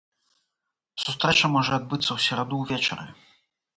Сустрэча можа адбыцца ў сераду ўвечары.